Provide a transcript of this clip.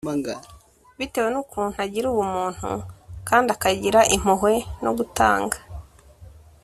Bitewe n’ukuntu agira ubumuntu kandi akagira impuhwe no gutanga